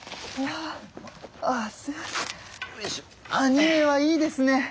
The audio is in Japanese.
兄上はいいですね